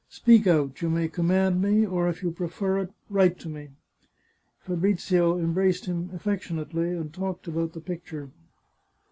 Speak out; you may command me — or, if you prefer it, write to me." Fabrizio embraced him affectionately, and talked about the picture.